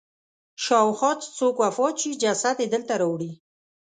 شاوخوا چې څوک وفات شي جسد یې دلته راوړي.